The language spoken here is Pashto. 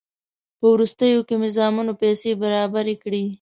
په وروستیو کې مې زامنو پیسې برابرې کړې.